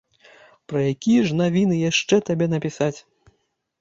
Пра якія ж навіны яшчэ табе напісаць?